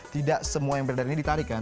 tidak semua yang berada di sini ditarik kan